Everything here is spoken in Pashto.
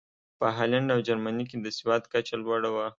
په هالنډ او جرمني کې د سواد کچه لوړه وه.